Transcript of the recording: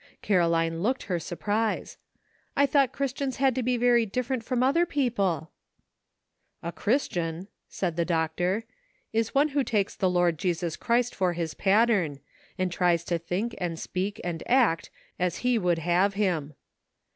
Caroline looked her surprise. " I thought Christians had to be very different from other people?" "A Christian," said the doctor, "is one who takes the Lord Jesus Christ for his pattern, and tries to think and speak and act as he would have him.